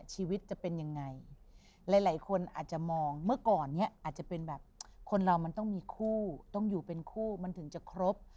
ชีวิตจะเป็นยังไงหลายคนอาจจะมองเมื่อก่อนเนี่ยอาจจะเป็นแบบคนเรามันต้องมีคู่ต้องอยู่เป็นคู่มันถึงจะครบ